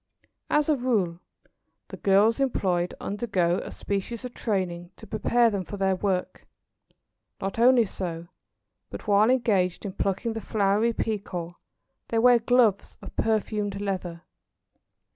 As a rule, the girls employed undergo a species of training to prepare them for their work. Not only so, but while engaged in plucking the flowery Pekoe they wear gloves of perfumed leather.